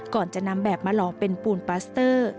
ก่อนจะนำแบบมาลองเป็นปูนปาสเตอร์